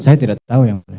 saya tidak tahu yang mulia